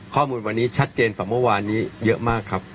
ข้อมูลวันนี้ชัดเจนกว่าเมื่อวานนี้เยอะมากครับ